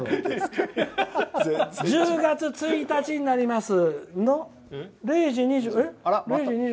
１０月１日になります。